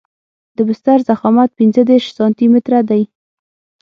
د بستر ضخامت پنځه دېرش سانتي متره دی